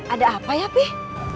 ada apa ya pih